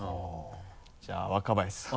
じゃあ若林さん。